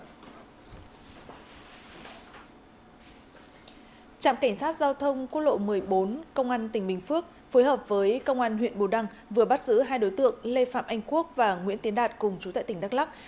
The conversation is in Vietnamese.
trạm cảnh sát giao thông quốc lộ một mươi bốn công an tỉnh bình phước phối hợp với công an huyện bù đăng vừa bắt giữ hai đối tượng lê phạm anh quốc và nguyễn tiến đạt cùng chú tại tỉnh đắk lắc